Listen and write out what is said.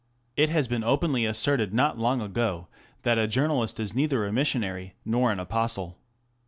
It has been openly asserted not so long ago that a journalist is neither a missionary nor an apostle.